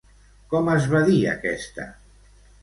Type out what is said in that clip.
Com es va dir aquesta?